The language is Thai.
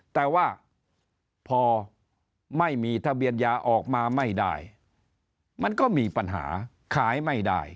แต่ว่าพอไม่มีทะเบียนยาออกมาไม่ได้มันก็มีปัญหาขายไม่ได้